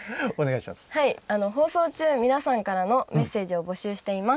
放送中皆さんからのメッセージを募集しています。